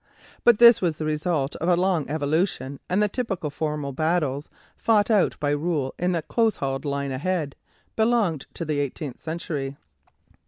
But this was the result of a long evolution, and the typically formal battles fought out by rule in the "close hauled line ahead" belong to the eighteenth century.